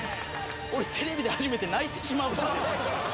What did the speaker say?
俺テレビで初めて泣いてしまうかもしれない。